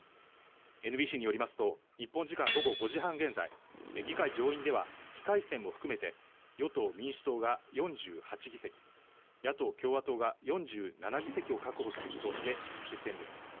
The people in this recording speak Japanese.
ＮＢＣによりますと、日本時間午後５時半現在、議会上院では非改選も含めて与党・民主党が４８議席、野党・共和党が４７議席を確保する見通しで、接戦です。